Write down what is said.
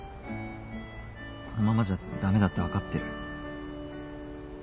このままじゃダメだって分かってる。